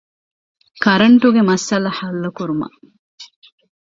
ކަރަންޓުގެ މައްސަލަ ޙައްލުކުރުމަށް